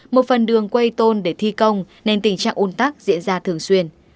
một phần đường quay tôn để thi công nên tình trạng ôn tắc diễn ra thường xuyên